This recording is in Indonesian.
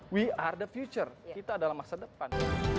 we are the future kita adalah masa depan